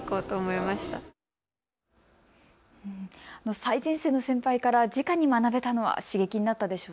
最前線の先輩からじかに学べたのは刺激になったでしょう。